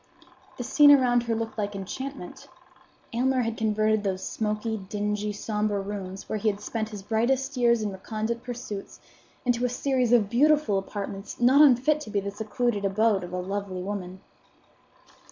The scene around her looked like enchantment. Aylmer had converted those smoky, dingy, sombre rooms, where he had spent his brightest years in recondite pursuits, into a series of beautiful apartments not unfit to be the secluded abode of a lovely woman.